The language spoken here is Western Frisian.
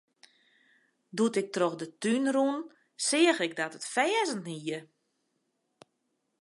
Doe't ik troch de tún rûn, seach ik dat it ferzen hie.